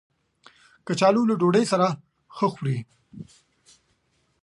کچالو له ډوډۍ سره ښه خوري